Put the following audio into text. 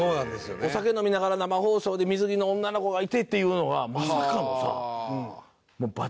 お酒飲みながら生放送で水着の女の子がいてっていうのがまさかのさもうバチバチのなんか。